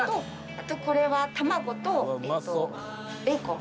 あとこれは卵とベーコン。